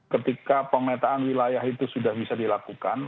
ketika pemetaan wilayah itu sudah bisa dilakukan